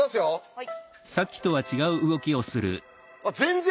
はい。